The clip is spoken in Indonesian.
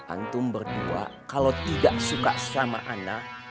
antum berdua kalau tidak suka sama anak